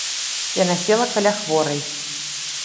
Яна села каля хворай.